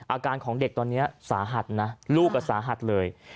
อาการของเด็กตอนนี้สาหัสนะลูกก็สาหัสเลย